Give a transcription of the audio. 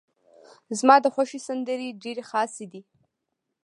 زما ده خوښې سندرې ډيرې خاصې دي.